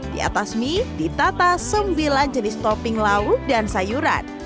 di atas mie ditata sembilan jenis topping lauk dan sayuran